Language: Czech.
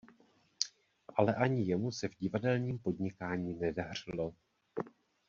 Ale ani jemu se v divadelním podnikání nedařilo.